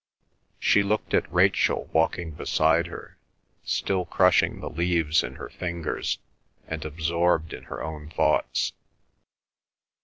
She looked at Rachel walking beside her, still crushing the leaves in her fingers and absorbed in her own thoughts.